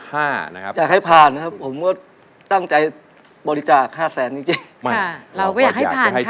อยากให้ผ่านจังใจบริจาค่าแสน